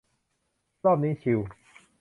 รอบนี้ชิล